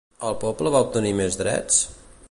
El poble va obtenir més drets?